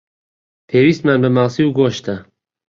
پێویستمان بە ماسی و گۆشتە.